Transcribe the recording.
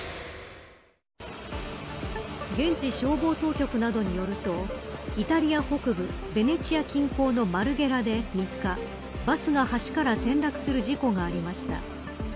現地消防当局などによるとイタリア北部ベネチア近郊のマルゲラで３日バスが橋から転落する事故がありました。